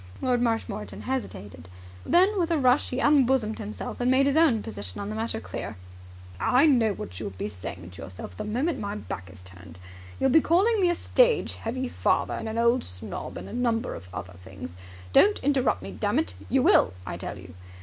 Lord Marshmoreton hesitated. Then with a rush he unbosomed himself, and made his own position on the matter clear. "I know what you'll be saying to yourself the moment my back is turned. You'll be calling me a stage heavy father and an old snob and a number of other things. Don't interrupt me, dammit! You will, I tell you!